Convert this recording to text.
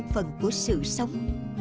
phần của sự sống